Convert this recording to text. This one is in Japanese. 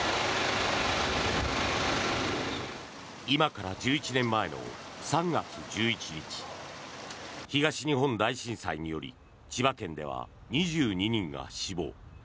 今から１１年前の３月１１日東日本大震災により千葉県では２２人が死亡。